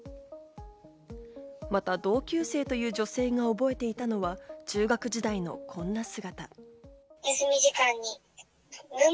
また同級生という女性が覚えていたのは、中学時代のこんな姿。